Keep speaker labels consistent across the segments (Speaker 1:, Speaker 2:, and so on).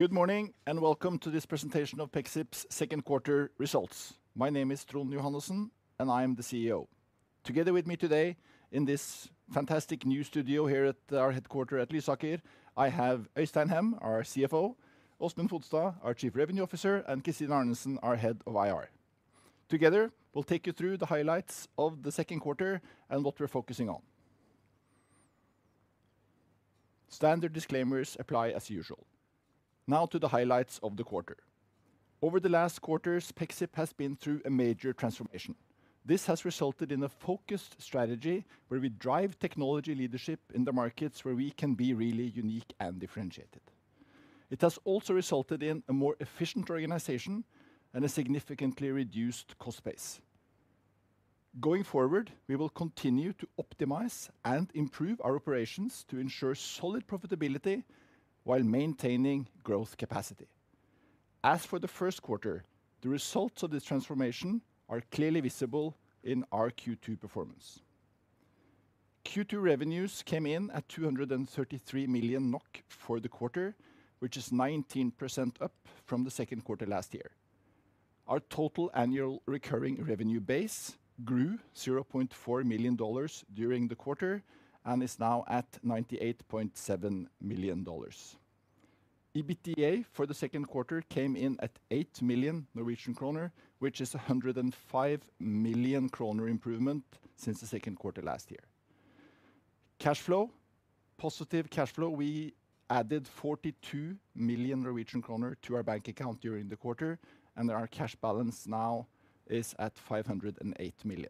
Speaker 1: Good morning, welcome to this presentation of Pexip's Second Quarter Results. My name is Trond Johannessen, and I am the CEO. Together with me today in this fantastic new studio here at our headquarters at Lysaker, I have Øystein Hem, our CFO, Åsmund Fodstad, our Chief Revenue Officer, and Christine Arnesen, our Head of IR. Together, we'll take you through the highlights of the second quarter and what we're focusing on. Standard disclaimers apply as usual. To the highlights of the quarter. Over the last quarters, Pexip has been through a major transformation. This has resulted in a focused strategy where we drive technology leadership in the markets where we can be really unique and differentiated. It has also resulted in a more efficient organization and a significantly reduced cost base. Going forward, we will continue to optimize and improve our operations to ensure solid profitability while maintaining growth capacity. As for the 1st quarter, the results of this transformation are clearly visible in our Q2 performance. Q2 revenues came in at 233 million NOK for the quarter, which is 19% up from the 2nd quarter last year. Our total annual recurring revenue base grew $0.4 million during the quarter and is now at $98.7 million. EBITDA for the 2nd quarter came in at 8 million Norwegian kroner, which is 105 million kroner improvement since the 2nd quarter last year. Cash flow, positive cash flow, we added 42 million Norwegian kroner to our bank account during the quarter. Our cash balance now is at 508 million.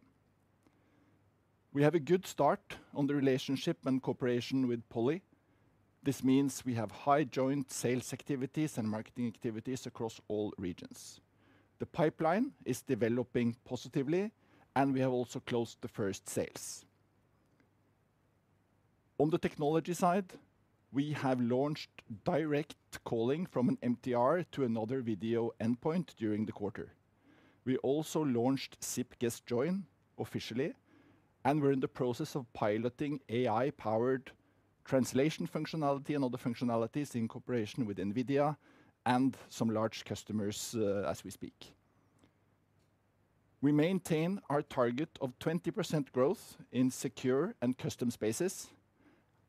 Speaker 1: We have a good start on the relationship and cooperation with Poly. This means we have high joint sales activities and marketing activities across all regions. The pipeline is developing positively, and we have also closed the first sales. On the technology side, we have launched direct calling from an MTR to another video endpoint during the quarter. We also launched SIP Guest Join officially, and we're in the process of piloting AI-powered translation functionality and other functionalities in cooperation with NVIDIA and some large customers, as we speak. We maintain our target of 20% growth in Secure & Custom Spaces,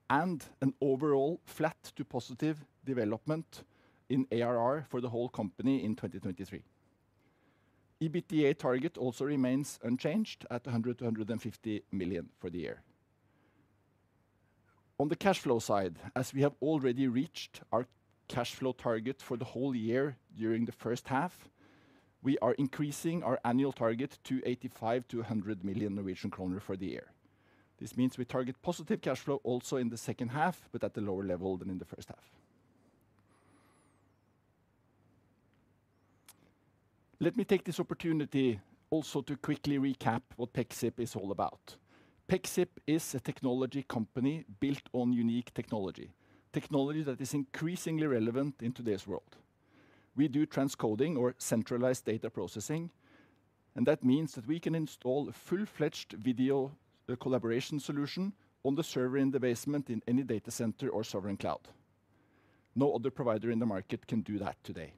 Speaker 1: and an overall flat to positive development in ARR for the whole company in 2023. EBITDA target also remains unchanged at 100 million-150 million for the year. On the cash flow side, as we have already reached our cash flow target for the whole year during the first half, we are increasing our annual target to 85 million-100 million Norwegian kroner for the year. This means we target positive cash flow also in the second half, but at a lower level than in the first half. Let me take this opportunity also to quickly recap what Pexip is all about. Pexip is a technology company built on unique technology, technology that is increasingly relevant in today's world. We do transcoding or centralized data processing, and that means that we can install a full-fledged video collaboration solution on the server in the basement in any data center or sovereign cloud. No other provider in the market can do that today.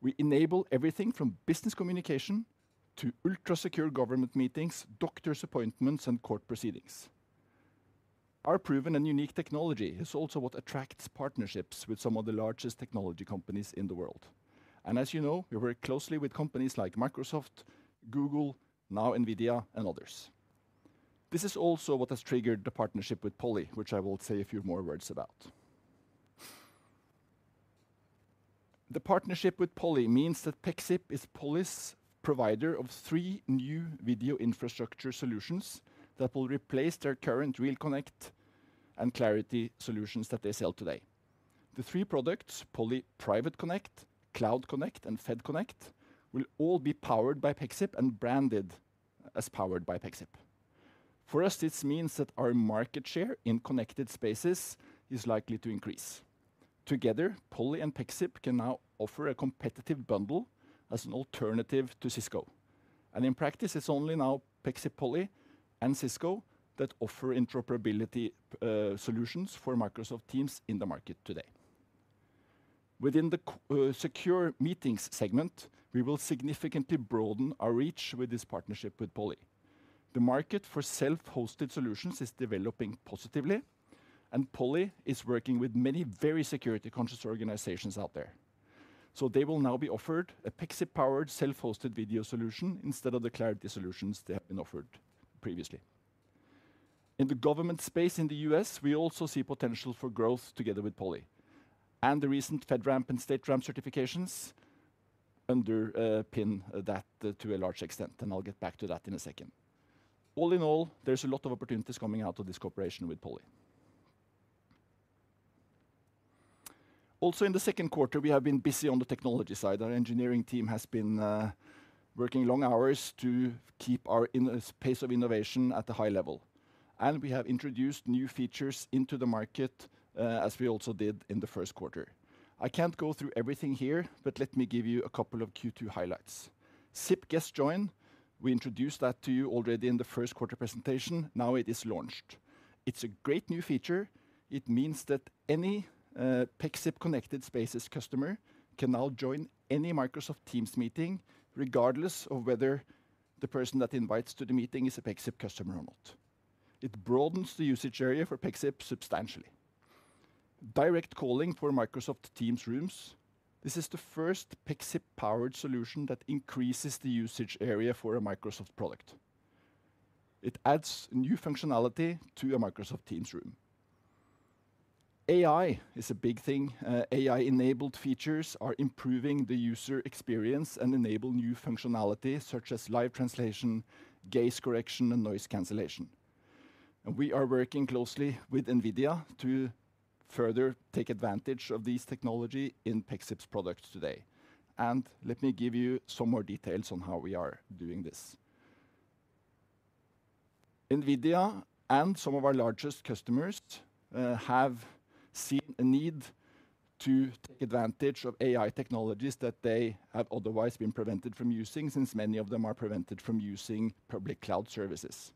Speaker 1: We enable everything from business communication to ultra-secure government meetings, doctors' appointments, and court proceedings. Our proven and unique technology is also what attracts partnerships with some of the largest technology companies in the world. As you know, we work closely with companies like Microsoft, Google, now NVIDIA, and others. This is also what has triggered the partnership with Poly, which I will say a few more words about. The partnership with Poly means that Pexip is Poly's provider of three new video infrastructure solutions that will replace their current RealConnect and Clariti solutions that they sell today. The three products, Poly PrivateConnect, CloudConnect, and FedConnect, will all be powered by Pexip and branded as powered by Pexip. For us, this means that our market share in Connected Spaces is likely to increase. Together, Poly and Pexip can now offer a competitive bundle as an alternative to Cisco. In practice, it's only now Pexip, Poly, and Cisco that offer interoperability solutions for Microsoft Teams in the market today. Within the secure meetings segment, we will significantly broaden our reach with this partnership with Poly. The market for self-hosted solutions is developing positively. Poly is working with many very security-conscious organizations out there. They will now be offered a Pexip-powered, self-hosted video solution instead of the Clariti solutions they have been offered previously. In the government space in the U.S., we also see potential for growth together with Poly. The recent FedRAMP and StateRAMP certifications underpin that to a large extent. I'll get back to that in a second. All in all, there's a lot of opportunities coming out of this cooperation with Poly. Also in the second quarter, we have been busy on the technology side. Our engineering team has been working long hours to keep our pace of innovation at a high level. We have introduced new features into the market, as we also did in the first quarter. I can't go through everything here, but let me give you 2 Q2 highlights. SIP Guest Join, we introduced that to you already in the first quarter presentation. Now it is launched. It's a great new feature. It means that any Pexip Connected Spaces customer can now join any Microsoft Teams meeting, regardless of whether the person that invites to the meeting is a Pexip customer or not. It broadens the usage area for Pexip substantially. Direct calling for Microsoft Teams Rooms, this is the first Pexip-powered solution that increases the usage area for a Microsoft product. It adds new functionality to a Microsoft Teams Rooms. AI is a big thing. AI-enabled features are improving the user experience and enable new functionality, such as live translation, gaze correction, and noise cancellation. We are working closely with NVIDIA to further take advantage of this technology in Pexip's products today, and let me give you some more details on how we are doing this. NVIDIA and some of our largest customers have seen a need to take advantage of AI technologies that they have otherwise been prevented from using, since many of them are prevented from using public cloud services.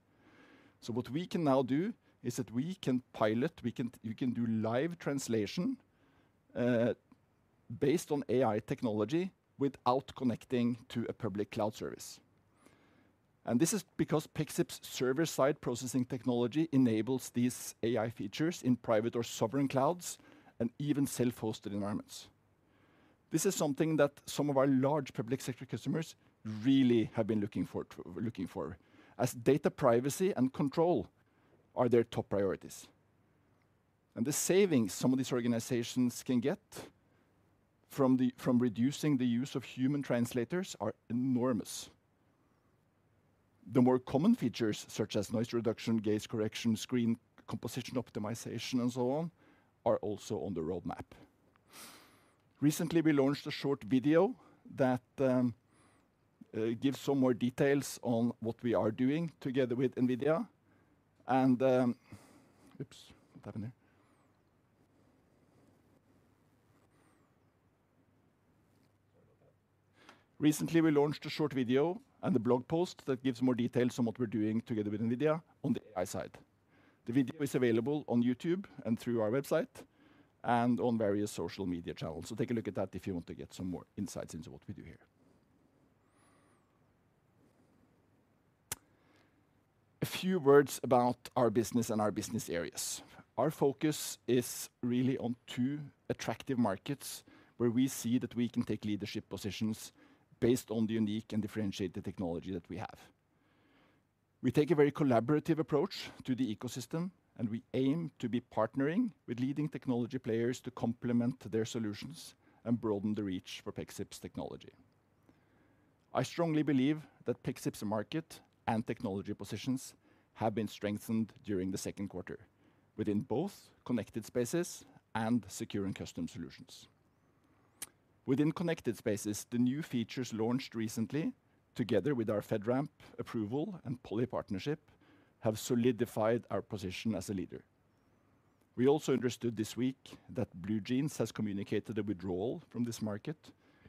Speaker 1: What we can now do is that we can pilot, we can-- you can do live translation based on AI technology without connecting to a public cloud service. This is because Pexip's server-side processing technology enables these AI features in private or sovereign clouds and even self-hosted environments. This is something that some of our large public sector customers really have been looking for, looking for, as data privacy and control are their top priorities. The savings some of these organizations can get from the, from reducing the use of human translators are enormous. The more common features, such as noise reduction, gaze correction, screen composition optimization, and so on, are also on the roadmap. Recently, we launched a short video that gives some more details on what we are doing together with NVIDIA and Oops! What happened there? Recently, we launched a short video and a blog post that gives more details on what we're doing together with NVIDIA on the AI side. The video is available on YouTube and through our website and on various social media channels. So take a look at that if you want to get some more insights into what we do here. A few words about our business and our business areas. Our focus is really on two attractive markets, where we see that we can take leadership positions based on the unique and differentiated technology that we have. We take a very collaborative approach to the ecosystem, and we aim to be partnering with leading technology players to complement their solutions and broaden the reach for Pexip's technology. I strongly believe that Pexip's market and technology positions have been strengthened during the second quarter within both Connected Spaces and Secure and Custom solutions. Within Connected Spaces, the new features launched recently, together with our FedRAMP approval and Poly partnership, have solidified our position as a leader. We also understood this week that BlueJeans has communicated a withdrawal from this market,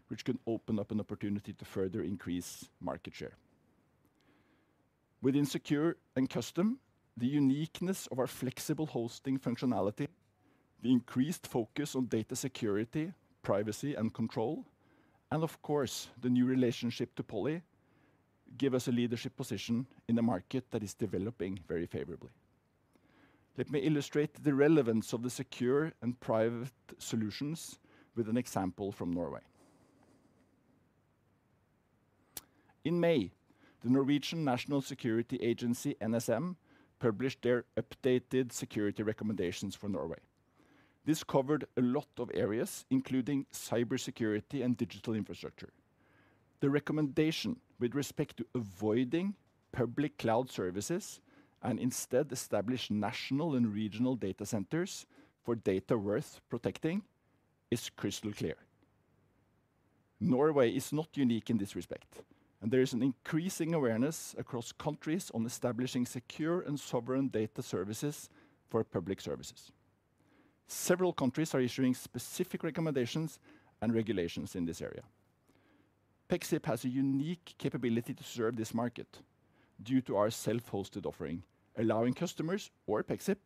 Speaker 1: which could open up an opportunity to further increase market share. Within Secure and Custom, the uniqueness of our flexible hosting functionality, the increased focus on data security, privacy, and control, and of course, the new relationship to Poly, give us a leadership position in a market that is developing very favorably. Let me illustrate the relevance of the secure and private solutions with an example from Norway. In May, the Norwegian National Security Agency, NSM, published their updated security recommendations for Norway. This covered a lot of areas, including cybersecurity and digital infrastructure. The recommendation with respect to avoiding public cloud services and instead establish national and regional data centers for data worth protecting is crystal clear. Norway is not unique in this respect, and there is an increasing awareness across countries on establishing secure and sovereign data services for public services. Several countries are issuing specific recommendations and regulations in this area. Pexip has a unique capability to serve this market due to our self-hosted offering, allowing customers or Pexip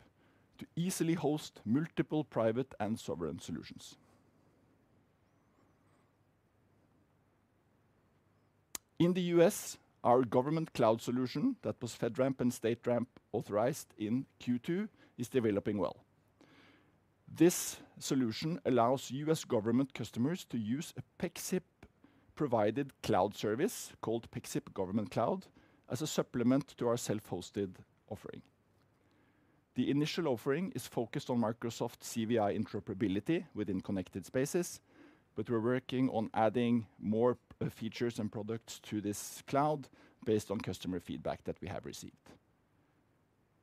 Speaker 1: to easily host multiple private and sovereign solutions. In the U.S., our government cloud solution that was FedRAMP and StateRAMP authorized in Q2 is developing well. This solution allows U.S. government customers to use a Pexip-provided cloud service, called Pexip Government Cloud, as a supplement to our self-hosted offering. The initial offering is focused on Microsoft CVI interoperability within Connected Spaces, we're working on adding more features and products to this cloud based on customer feedback that we have received.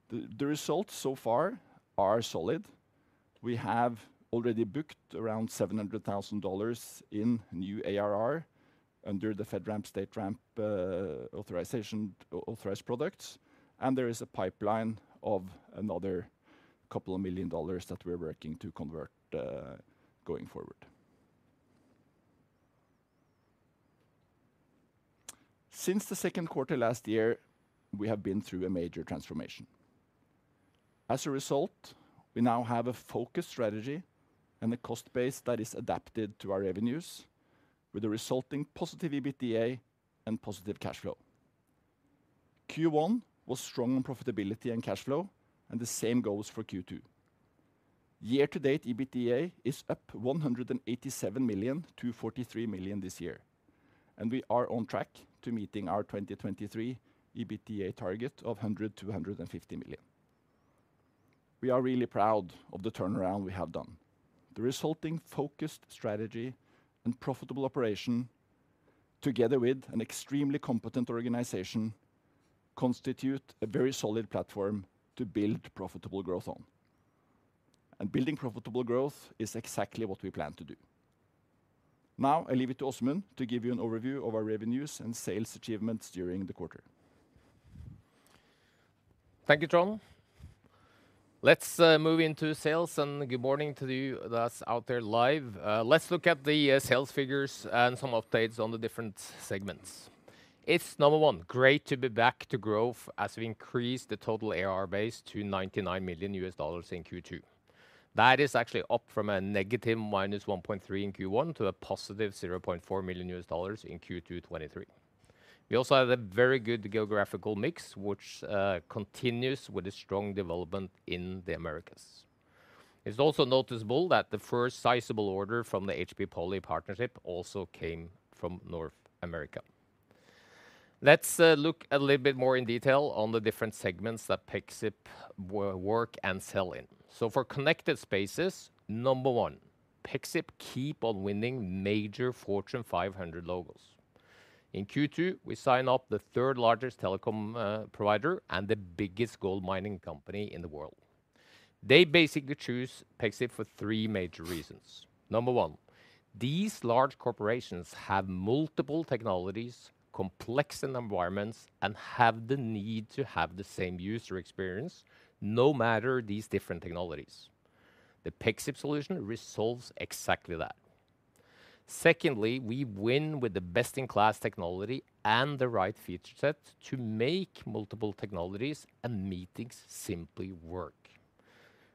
Speaker 1: The results so far are solid. We have already booked around $700,000 in new ARR under the FedRAMP, StateRAMP authorization, authorized products. There is a pipeline of another $2 million that we're working to convert going forward. Since the second quarter last year, we have been through a major transformation. As a result, we now have a focused strategy and a cost base that is adapted to our revenues, with a resulting positive EBITDA and positive cash flow. Q1 was strong on profitability and cash flow. The same goes for Q2. Year to date, EBITDA is up 187 million to 43 million this year. We are on track to meeting our 2023 EBITDA target of 100 million-150 million. We are really proud of the turnaround we have done. The resulting focused strategy and profitable operation, together with an extremely competent organization, constitute a very solid platform to build profitable growth on. Building profitable growth is exactly what we plan to do. Now, I leave it to Åsmund to give you an overview of our revenues and sales achievements during the quarter.
Speaker 2: Thank you, Trond. Let's move into sales, and good morning to you that's out there live. Let's look at the sales figures and some updates on the different segments. It's, number one, great to be back to growth as we increase the total ARR base to $99 million in Q2. That is actually up from a negative minus $1.3 million in Q1 to a positive $0.4 million in Q2 2023. We also have a very good geographical mix, which continues with a strong development in the Americas. It's also noticeable that the first sizable order from the HP Poly partnership also came from North America. Let's look a little bit more in detail on the different segments that Pexip works and sells in. For Connected Spaces, 1, Pexip keep on winning major Fortune 500 logos. In Q2, we sign up the 3rd largest telecom provider and the biggest gold mining company in the world. They basically choose Pexip for 3 major reasons. 1, these large corporations have multiple technologies, complex in environments, and have the need to have the same user experience, no matter these different technologies. The Pexip solution resolves exactly that. Secondly, we win with the best-in-class technology and the right feature set to make multiple technologies and meetings simply work.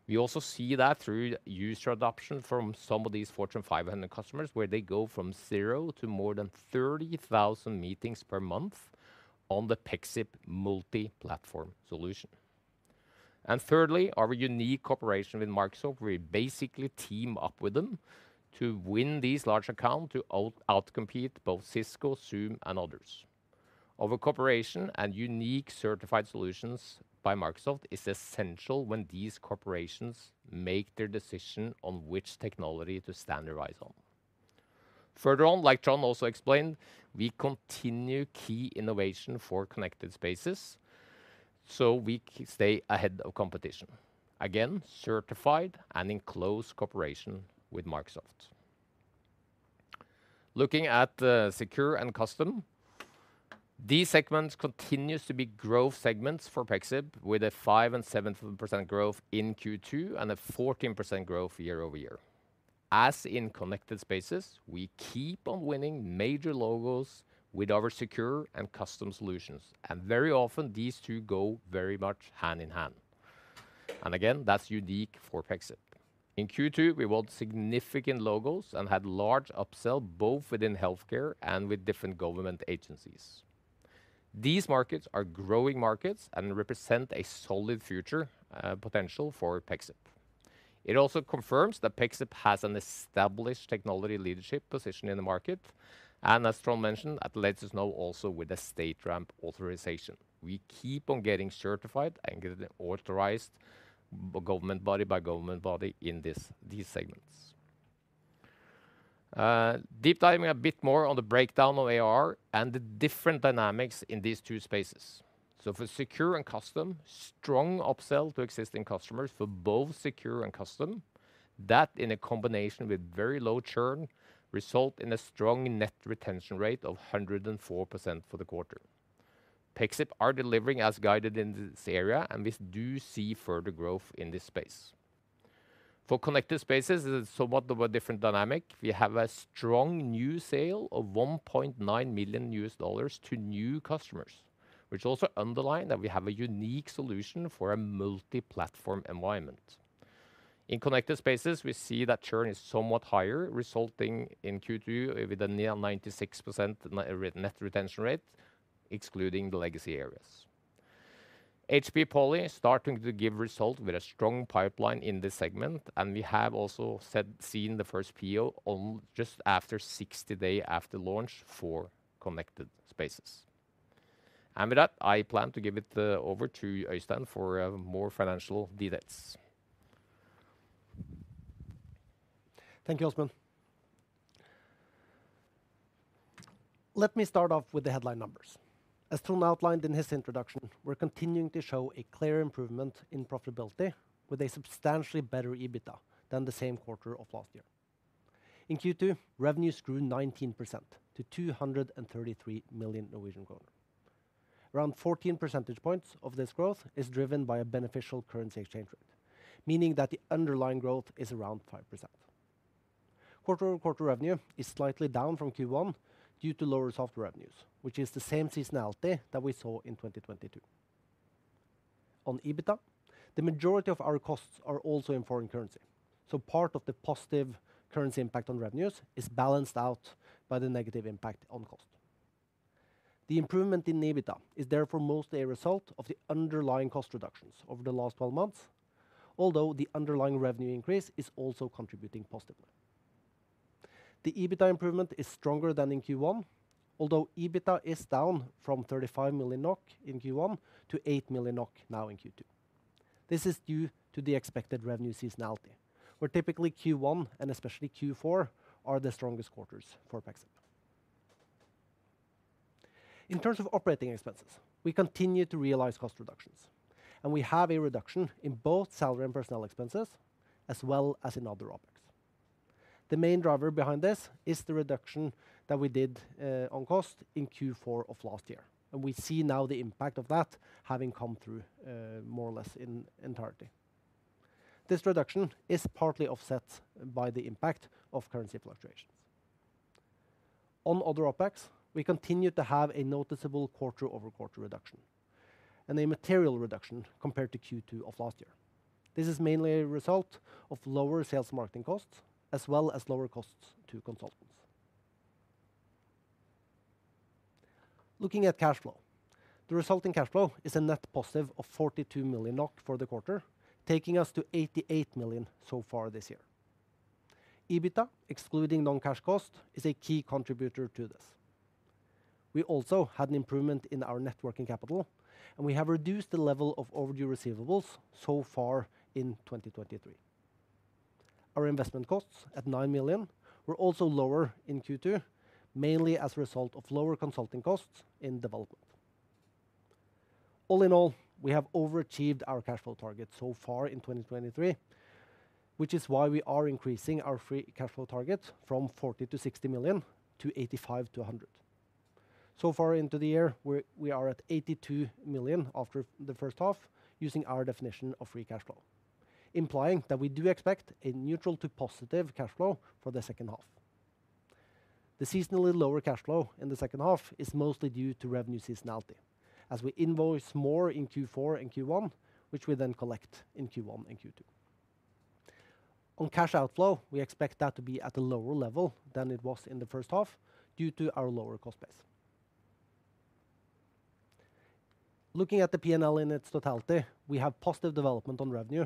Speaker 2: We also see that through user adoption from some of these Fortune 500 customers, where they go from zero to more than 30,000 meetings per month on the Pexip multi-platform solution. Thirdly, our unique cooperation with Microsoft, we basically team up with them to win these large accounts to outcompete both Cisco, Zoom, and others. Our cooperation and unique certified solutions by Microsoft is essential when these corporations make their decision on which technology to standardize on. Further on, like Trond also explained, we continue key innovation for Connected Spaces, so we stay ahead of competition. Again, certified and in close cooperation with Microsoft. Looking at the Secure and Custom, these segments continues to be growth segments for Pexip, with a 5% and 7% growth in Q2 and a 14% growth year-over-year. As in Connected Spaces, we keep on winning major logos with our secure and custom solutions, and very often these two go very much hand in hand. Again, that's unique for Pexip. In Q2, we won significant logos and had large upsell, both within healthcare and with different government agencies. These markets are growing markets and represent a solid future potential for Pexip. It also confirms that Pexip has an established technology leadership position in the market, and as Trond mentioned, at latest now, also with a StateRAMP authorization. We keep on getting certified and getting authorized government body by government body in this, these segments. Deep diving a bit more on the breakdown of ARR and the different dynamics in these two spaces. For Secure and Custom, strong upsell to existing customers for both Secure and Custom. That, in a combination with very low churn, result in a strong net retention rate of 104% for the quarter. Pexip are delivering as guided in this area, and we do see further growth in this space. For Connected Spaces, it's somewhat of a different dynamic. We have a strong new sale of $1.9 million to new customers, which also underline that we have a unique solution for a multi-platform environment. In Connected Spaces, we see that churn is somewhat higher, resulting in Q2 with a near 96% net retention rate, excluding the legacy areas. HP Poly is starting to give results with a strong pipeline in this segment, we have also seen the first PO on just after 60 days after launch for Connected Spaces. With that, I plan to give it over to Øystein for more financial details.
Speaker 3: Thank you, Åsmund. Let me start off with the headline numbers. As Trond outlined in his introduction, we're continuing to show a clear improvement in profitability, with a substantially better EBITDA than the same quarter of last year. In Q2, revenues grew 19% to 233 million Norwegian kroner. Around 14 percentage points of this growth is driven by a beneficial currency exchange rate, meaning that the underlying growth is around 5%. Quarter-over-quarter revenue is slightly down from Q1 due to lower software revenues, which is the same seasonality that we saw in 2022. On EBITDA, the majority of our costs are also in foreign currency, so part of the positive currency impact on revenues is balanced out by the negative impact on cost. The improvement in EBITDA is therefore mostly a result of the underlying cost reductions over the last 12 months, although the underlying revenue increase is also contributing positively. The EBITDA improvement is stronger than in Q1, although EBITDA is down from 35 million NOK in Q1 to 8 million NOK now in Q2. This is due to the expected revenue seasonality, where typically Q1 and especially Q4 are the strongest quarters for Pexip. In terms of operating expenses, we continue to realize cost reductions, and we have a reduction in both salary and personnel expenses, as well as in other OpEx. The main driver behind this is the reduction that we did on cost in Q4 of last year, and we see now the impact of that having come through more or less in entirety. This reduction is partly offset by the impact of currency fluctuations. On other OpEx, we continued to have a noticeable quarter-over-quarter reduction and a material reduction compared to Q2 of last year. This is mainly a result of lower sales marketing costs, as well as lower costs to consultants. Looking at cash flow, the resulting cash flow is a net positive of 42 million NOK for the quarter, taking us to 88 million so far this year. EBITDA, excluding non-cash cost, is a key contributor to this. We also had an improvement in our net working capital, and we have reduced the level of overdue receivables so far in 2023. Our investment costs at 9 million were also lower in Q2, mainly as a result of lower consulting costs in development. All in all, we have overachieved our cash flow target so far in 2023, which is why we are increasing our free cash flow target from 40 million-60 million to 85 million-100 million. So far into the year, we are at 82 million after the first half, using our definition of free cash flow, implying that we do expect a neutral to positive cash flow for the second half. The seasonally lower cash flow in the second half is mostly due to revenue seasonality, as we invoice more in Q4 and Q1, which we then collect in Q1 and Q2. On cash outflow, we expect that to be at a lower level than it was in the first half due to our lower cost base. Looking at the P&L in its totality, we have positive development on revenue,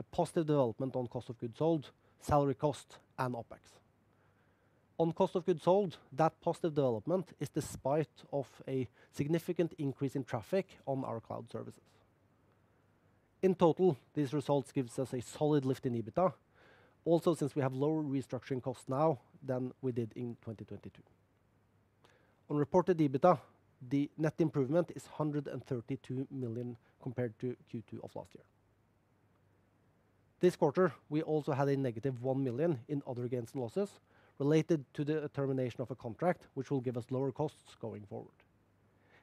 Speaker 3: a positive development on cost of goods sold, salary cost and OpEx. On cost of goods sold, that positive development is despite of a significant increase in traffic on our cloud services. In total, these results gives us a solid lift in EBITDA. Also, since we have lower restructuring costs now than we did in 2022. On reported EBITDA, the net improvement is 132 million compared to Q2 of last year. This quarter, we also had a negative 1 million in other gains and losses related to the termination of a contract, which will give us lower costs going forward.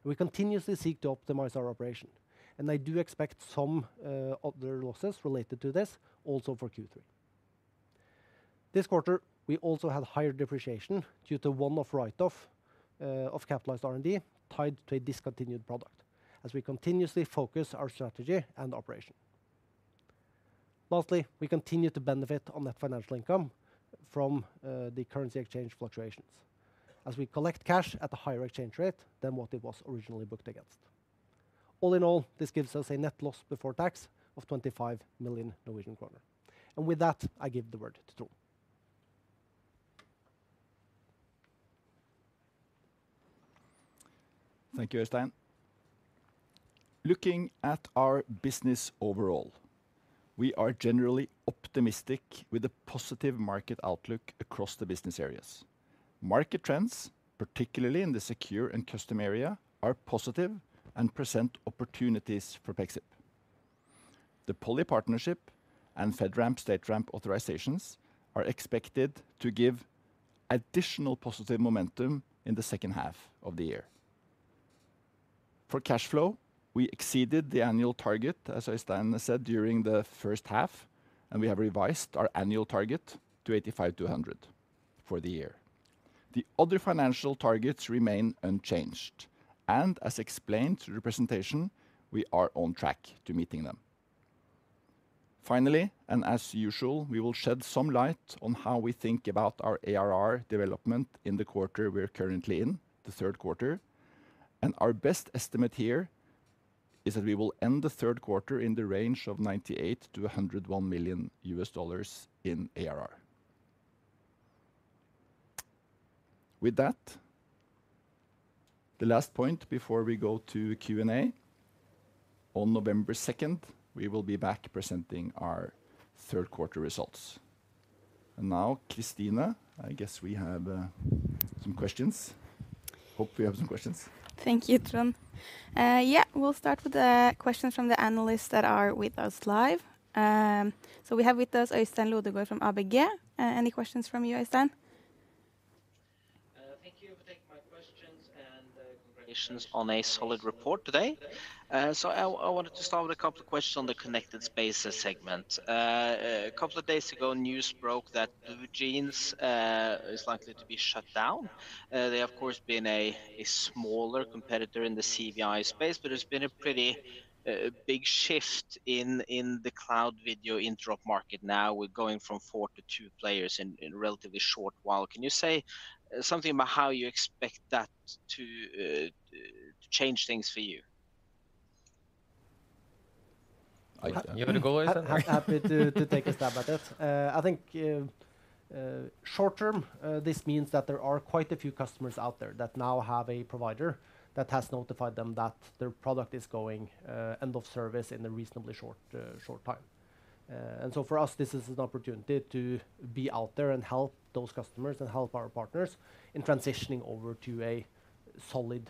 Speaker 3: We continuously seek to optimize our operation, and I do expect some other losses related to this also for Q3. This quarter, we also had higher depreciation due to one-off write-off, of capitalized R&D tied to a discontinued product, as we continuously focus our strategy and operation. Lastly, we continue to benefit on net financial income from, the currency exchange fluctuations, as we collect cash at a higher exchange rate than what it was originally booked against. All in all, this gives us a net loss before tax of 25 million Norwegian kroner. With that, I give the word to Trond.
Speaker 1: Thank you, Øystein. Looking at our business overall, we are generally optimistic with a positive market outlook across the business areas. Market trends, particularly in the Secure and Custom area, are positive and present opportunities for Pexip. The Poly partnership and FedRAMP, StateRAMP authorizations are expected to give additional positive momentum in the second half of the year. For cash flow, we exceeded the annual target, as Øystein said, during the first half, and we have revised our annual target to 85 million-100 million for the year. The other financial targets remain unchanged, and as explained through the presentation, we are on track to meeting them. Finally, and as usual, we will shed some light on how we think about our ARR development in the quarter we are currently in, the third quarter. Our best estimate here is that we will end the third quarter in the range of $98 million-$101 million in ARR. With that, the last point before we go to the Q&A. On November 2nd, we will be back presenting our third quarter results. Now, Christine, I guess we have some questions. Hope we have some questions.
Speaker 4: Thank you, Trond. Yeah, we'll start with the questions from the analysts that are with us live. We have with us, Øystein Løberg from ABG. Any questions from you, Øystein?
Speaker 5: Thank you for taking my questions, congratulations on a solid report today. I wanted to start with a couple of questions on the Connected Spaces segment. A couple of days ago, news broke that BlueJeans is likely to be shut down. They, of course, being a smaller competitor in the CVI space, but it's been a pretty big shift in the cloud video interop market now, with going from four to two players in a relatively short while. Can you say something about how you expect that to change things for you?
Speaker 1: You wanna go, Øystein?
Speaker 3: I'm happy to, to take a stab at it. I think short term, this means that there are quite a few customers out there that now have a provider that has notified them that their product is going end of service in a reasonably short, short time. For us, this is an opportunity to be out there and help those customers and help our partners in transitioning over to a solid,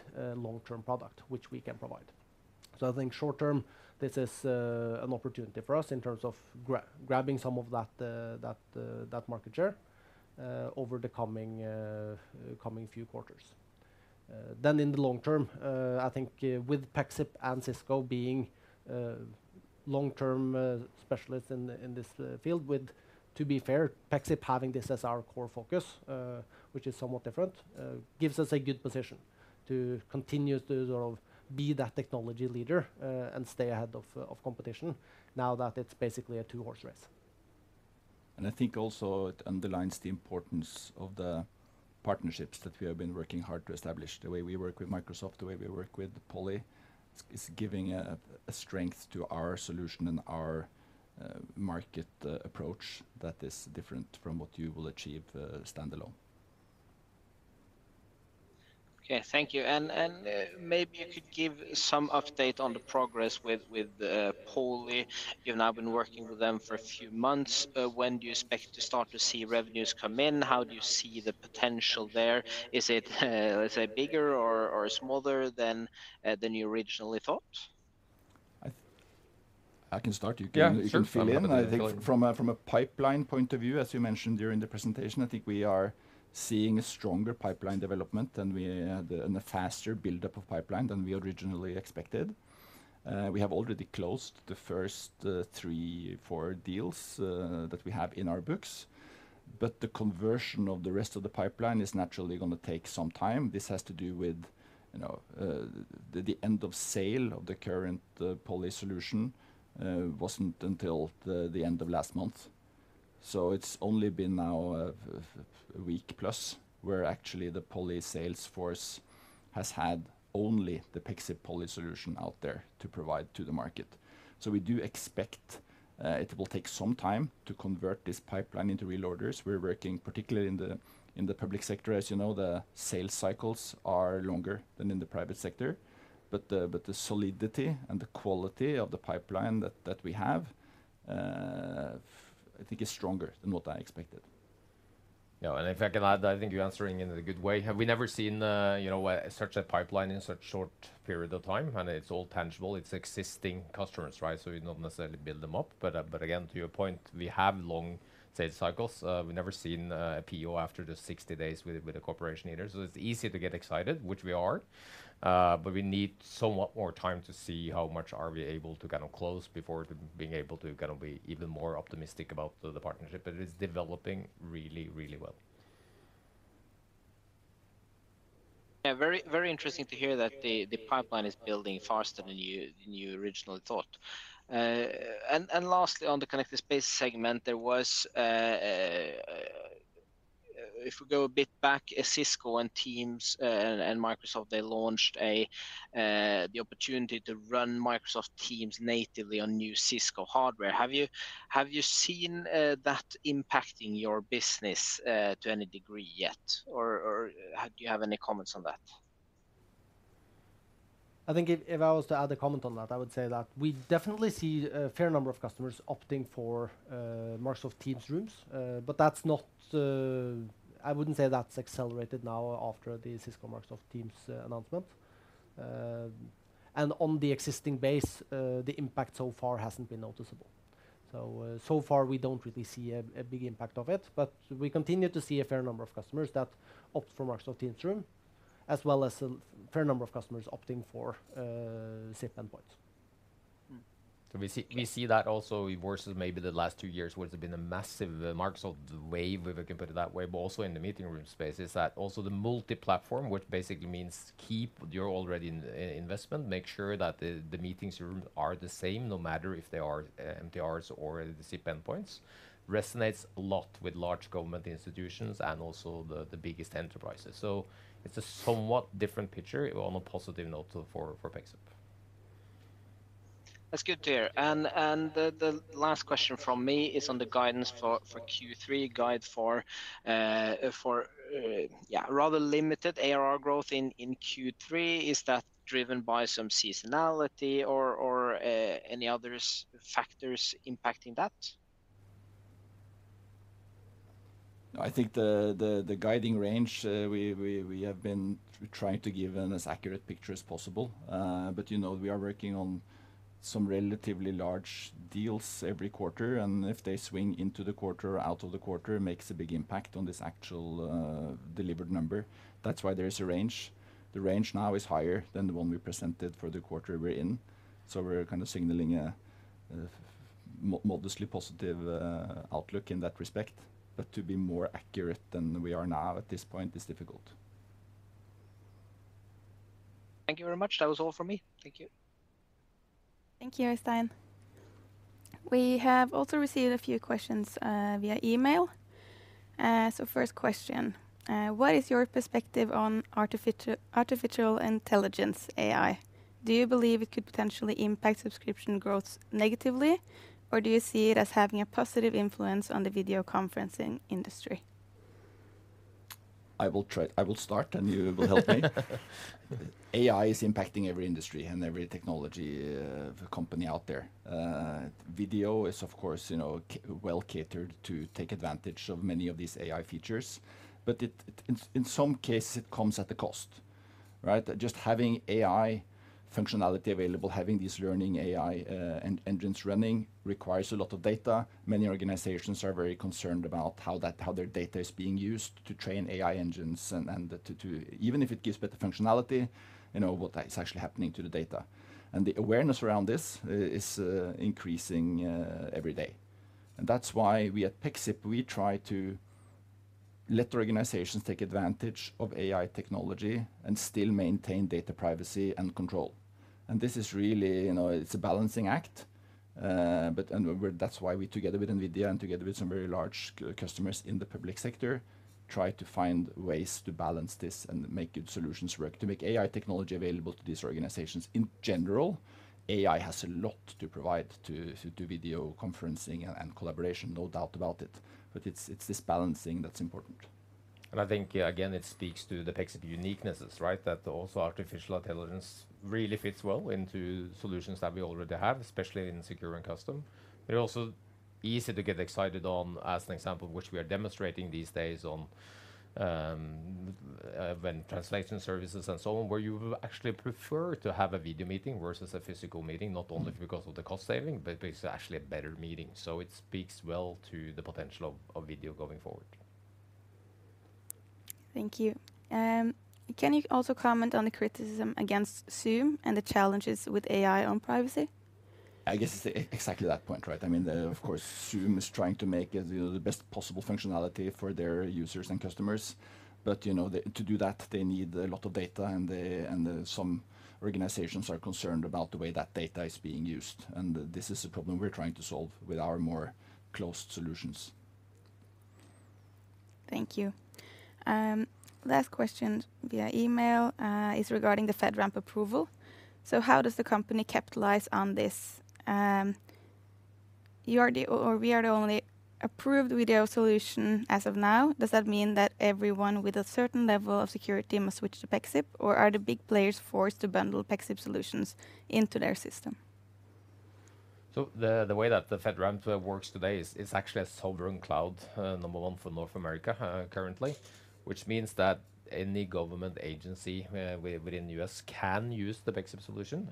Speaker 3: long-term product, which we can provide. I think short term, this is an opportunity for us in terms of grabbing some of that, that, that market share over the coming, coming few quarters. In the long term, I think, with Pexip and Cisco being long-term specialists in this field, with, to be fair, Pexip having this as our core focus, which is somewhat different, gives us a good position to continue to sort of be that technology leader, and stay ahead of competition now that it's basically a two-horse race.
Speaker 1: I think also it underlines the importance of the partnerships that we have been working hard to establish. The way we work with Microsoft, the way we work with Poly, is, is giving a, a strength to our solution and our market approach that is different from what you will achieve standalone.
Speaker 5: Okay, thank you. Maybe you could give some update on the progress with Poly. You've now been working with them for a few months. When do you expect to start to see revenues come in? How do you see the potential there? Is it, let's say, bigger or smaller than you originally thought?
Speaker 1: I can start. You can.
Speaker 3: Yeah, sure.
Speaker 1: You can fill in. I think from a, from a pipeline point of view, as you mentioned during the presentation, I think we are seeing a stronger pipeline development, and we, and a faster buildup of pipeline than we originally expected. We have already closed the first three, four deals that we have in our books, but the conversion of the rest of the pipeline is naturally gonna take some time. This has to do with, you know, the, the end of sale of the current Poly solution wasn't until the end of last month, so it's only been now a week plus, where actually the Poly sales force has had only the Pexip Poly solution out there to provide to the market. We do expect it will take some time to convert this pipeline into real orders. We're working particularly in the, in the public sector. As you know, the sales cycles are longer than in the private sector,
Speaker 5: If we go a bit back, Cisco and Teams and Microsoft, they launched the opportunity to run Microsoft Teams natively on new Cisco hardware. Have you, have you seen that impacting your business to any degree yet? Or, or have you have any comments on that?
Speaker 3: I think if, if I was to add a comment on that, I would say that we definitely see a fair number of customers opting for Microsoft Teams Rooms. That's not I wouldn't say that's accelerated now after the Cisco Microsoft Teams announcement. On the existing base, the impact so far hasn't been noticeable. So far, we don't really see a big impact of it, but we continue to see a fair number of customers that opt for Microsoft Teams Rooms, as well as a fair number of customers opting for SIP endpoints. And we see- we see that also versus maybe the last two years, where it's been a massive Microsoft wave, if I can put it that way, but also in the meeting room space, is that also the multi-platform, which basically means keep your already in investment. Make sure that the, the meeting rooms are the same, no matter if they are MTRs or the SIP endpoints, resonates a lot with large government institutions and also the, the biggest enterprises. It's a somewhat different picture on a positive note for, for Pexip.
Speaker 5: That's good to hear. The, the last question from me is on the guidance for, for Q3, guide for, for rather limited ARR growth in, in Q3. Is that driven by some seasonality or, or, any other factors impacting that?
Speaker 1: I think the, the, the guiding range, we, we, we have been trying to give an as accurate picture as possible. You know, we are working on some relatively large deals every quarter, and if they swing into the quarter or out of the quarter, it makes a big impact on this actual delivered number. That's why there is a range. The range now is higher than the one we presented for the quarter we're in, so we're kind of signaling a modestly positive outlook in that respect. To be more accurate than we are now at this point is difficult.
Speaker 5: Thank you very much. That was all from me. Thank you.
Speaker 4: Thank you, Stein. We have also received a few questions, via email. First question: "What is your perspective on artificial intelligence, AI? Do you believe it could potentially impact subscription growth negatively, or do you see it as having a positive influence on the video conferencing industry?
Speaker 1: I will try, I will start, and you will help me. AI is impacting every industry and every technology, company out there. Video is, of course, you know, c- well catered to take advantage of many of these AI features, but it, it, in, in some cases, it comes at a cost, right? Just having AI functionality available, having these learning AI engines running requires a lot of data. Many organizations are very concerned about how that- how their data is being used to train AI engines and, and to, to. Even if it gives better functionality, you know, what is actually happening to the data? The awareness around this is increasing every day. That's why we at Pexip, we try to let organizations take advantage of AI technology and still maintain data privacy and control. This is really, you know, it's a balancing act, but. That's why we, together with NVIDIA and together with some very large customers in the public sector, try to find ways to balance this and make good solutions work. To make AI technology available to these organizations. In general, AI has a lot to provide to, to video conferencing and, and collaboration, no doubt about it, but it's, it's this balancing that's important.
Speaker 2: I think, again, it speaks to the Pexip's uniquenesses, right? That also artificial intelligence really fits well into solutions that we already have, especially in Secure and Custom. Also easy to get excited on, as an example, which we are demonstrating these days on event translation services and so on, where you actually prefer to have a video meeting versus a physical meeting, not only because of the cost saving, but because it's actually a better meeting. It speaks well to the potential of, of video going forward.
Speaker 4: Thank you. Can you also comment on the criticism against Zoom and the challenges with AI on privacy?
Speaker 1: I guess it's exactly that point, right? I mean, of course, Zoom is trying to make it the best possible functionality for their users and customers, but, you know, to do that, they need a lot of data, and some organizations are concerned about the way that data is being used, and this is a problem we're trying to solve with our more closed solutions.
Speaker 4: Thank you. Last question via email is regarding the FedRAMP approval. "How does the company capitalize on this? You are the, or we are the only approved video solution as of now. Does that mean that everyone with a certain level of security must switch to Pexip, or are the big players forced to bundle Pexip solutions into their system?
Speaker 2: The, the way that the FedRAMP works today is it's actually a sovereign cloud, number one for North America, currently, which means that any government agency, within U.S. can use the Pexip solution.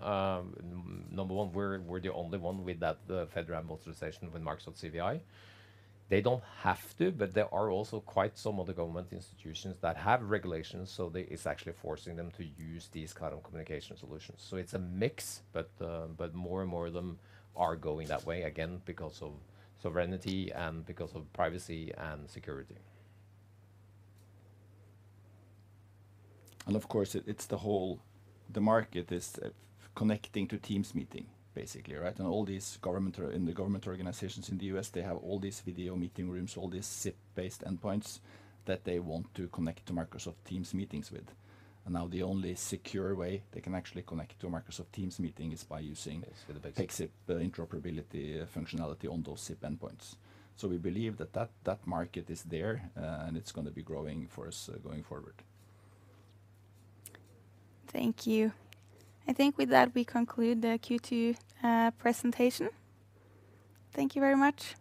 Speaker 2: number one, we're, we're the only one with that, the FedRAMP authorization with Microsoft CVI. They don't have to, but there are also quite some of the government institutions that have regulations, so it's actually forcing them to use these kind of communication solutions. It's a mix, but, but more and more of them are going that way, again, because of sovereignty and because of privacy and security.
Speaker 1: Of course, it, it's the market is connecting to Teams meeting, basically, right? All these government or in the government organizations in the U.S., they have all these video meeting rooms, all these SIP-based endpoints that they want to connect to Microsoft Teams meetings with. Now the only secure way they can actually connect to a Microsoft Teams meeting is by using.
Speaker 2: Pexip.
Speaker 1: Pexip interoperability functionality on those SIP endpoints. We believe that that market is there, and it's gonna be growing for us going forward.
Speaker 4: Thank you. I think with that, we conclude the Q2 presentation. Thank you very much.